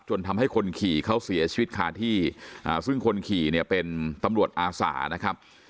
ทำให้คนขี่เขาเสียชีวิตคาที่ซึ่งคนขี่เนี่ยเป็นตำรวจอาสานะครับ